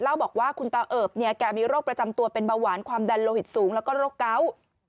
บอกว่าคุณตาเอิบเนี่ยแกมีโรคประจำตัวเป็นเบาหวานความดันโลหิตสูงแล้วก็โรคเกาะ